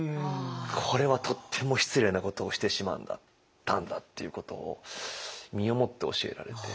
これはとっても失礼なことをしてしまったんだっていうことを身をもって教えられて。